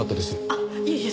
あっいえいえ